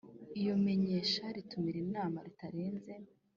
Iyo imenyesha ritumira inama ritanzwe